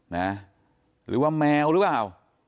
หรือว่าแมวหรือเปล่า